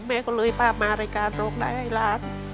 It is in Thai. แม่ก็เลยป้ามารายการโรงรายให้หลาน